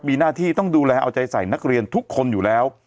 มีหน้าที่ต้องดูแลเอาใจใส่นักเรียนทุกคนอยู่แล้ว